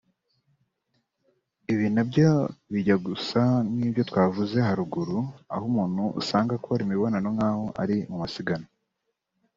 Ibi nabyo bijya gusa nibyo twavuze haruguru aho umuntu usanga akora imibonano nkaho ari mu masiganwa